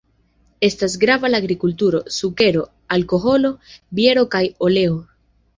Estas grava la agrikulturo: sukero, alkoholo, biero kaj oleo.